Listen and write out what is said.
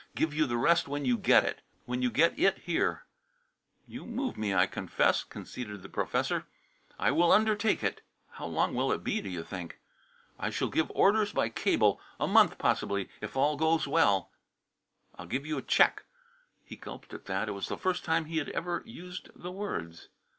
Give you the rest when you get when you get It here." "You move me, I confess," conceded the professor. "I will undertake it." "How long will it be, do you think?" "I shall give orders by cable. A month, possibly, if all goes well." "I'll give you check." He gulped at that. It was the first time he had ever used the words.